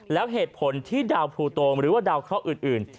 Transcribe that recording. แล้วเหตุผลที่ดาวภูโตงหรือว่าดาวเคราะห์อื่น